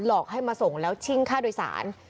อกให้มาส่งแล้วชิ่งค่าโดยสาร